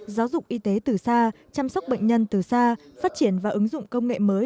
giáo dục y tế từ xa chăm sóc bệnh nhân từ xa phát triển và ứng dụng công nghệ mới